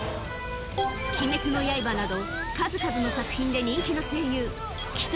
『鬼滅の刃』など数々の作品で人気の声優鬼頭